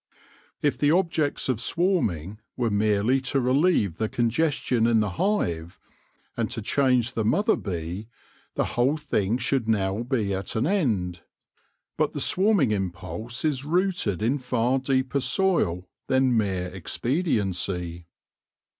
If the objects of swarming were merely to relieve the congestion in the hive, and to change the mother bee, the whole thing should now be at an end. But the swarming impulse is rooted in far deeper soil than mere expediency.